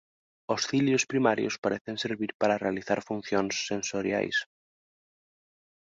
Os cilios primarios parecen servir para realizar funcións sensoriais.